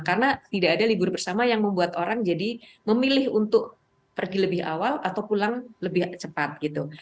karena tidak ada libur bersama yang membuat orang jadi memilih untuk pergi lebih awal atau pulang lebih cepat gitu